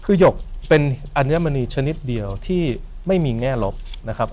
คือหยกเป็นอัญมณีชนิดเดียวที่ไม่มีแง่ลบนะครับ